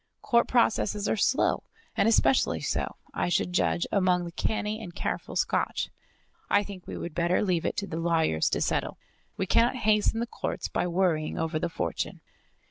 Court processes are slow, and especially so, I should judge, among the canny and careful Scotch. I think we would better leave it to the lawyers to settle. We cannot hasten the courts by worrying over the fortune.